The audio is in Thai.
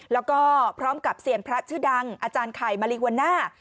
แล้วก็พร้อมกับเซียนพระชื่อดังอาจารย์ไข่มาริวาน่า